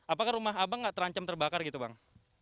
apakah rumah abang nggak terancam terbakar gitu bang